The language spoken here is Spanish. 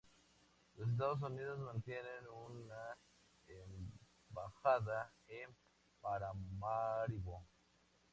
Los Estados Unidos mantienen una embajada en Paramaribo.